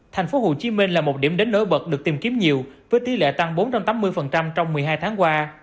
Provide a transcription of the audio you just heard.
tp hcm là một điểm đến nổi bật được tìm kiếm nhiều với tỷ lệ tăng bốn trăm tám mươi trong một mươi hai tháng qua